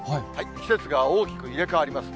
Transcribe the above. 季節が大きく入れ代わります。